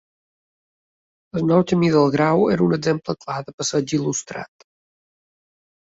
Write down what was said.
El nou camí del Grau era un exemple clar de passeig il·lustrat.